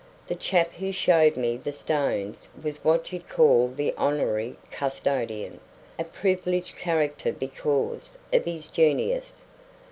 The chap who showed me the stones was what you'd call the honorary custodian; a privileged character because of his genius.